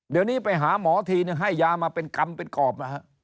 เดี๋ยวนี้ไปหาหมอทีนึงให้ยามาเป็นกรรมเป็นกรอบนะฮะ